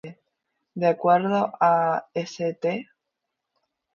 De acuerdo a "St.